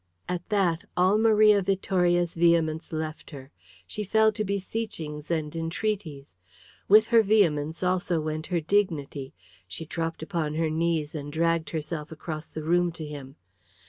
At that all Maria Vittoria's vehemence left her. She fell to beseechings and entreaties. With her vehemence went also her dignity. She dropped upon her knees and dragged herself across the room to him.